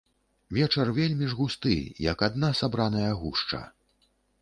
Вечар вельмі ж густы, як адна сабраная гушча.